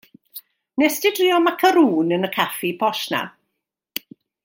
Wnest ti drio macarŵn yn y caffi posh 'na?